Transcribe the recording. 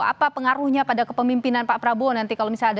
apa pengaruhnya pada kepemimpinan pak prabowo nanti kalau misalnya